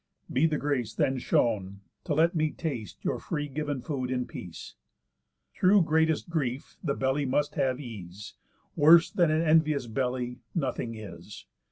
Be the grace then shown, To let me taste your free giv'n food in peace. _Through greatest grief the belly must have ease; Worse than an envious belly nothing is.